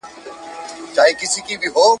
پر دې لاره مي پل زوړ سو له کاروان سره همزولی `